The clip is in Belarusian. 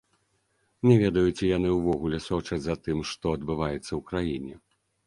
Не ведаю, ці яны ўвогуле сочаць за тым, што адбываецца ў краіне.